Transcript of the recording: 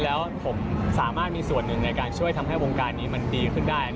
แล้วผมสามารถมีส่วนหนึ่งในการช่วยทำให้วงการนี้มันดีขึ้นได้